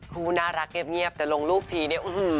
เขาน่ารักแบบนี้ตลอด